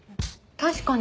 確かに。